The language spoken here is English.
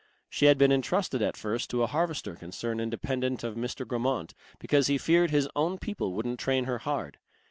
She had been entrusted at first to a harvester concern independent of Mr. Grammont, because he feared his own people wouldn't train her hard.